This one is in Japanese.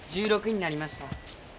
１６になりました。